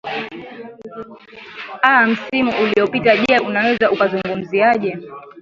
aa msimu uliopita je unaweza ukazungumziaje